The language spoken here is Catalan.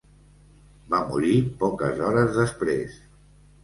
Va morir poques hores després.